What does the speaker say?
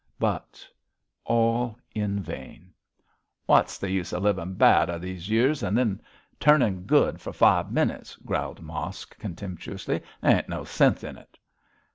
But all in vain. 'Wot's th' use of livin' bad all these years, and then turnin' good for five minutes?' growled Mosk, contemptuously. 'There ain't no sense in it.'